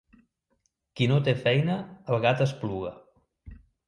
Qui no té feina, el gat espluga.